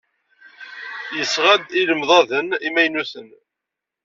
Yesɣa-d ilemḍaden imaynuten.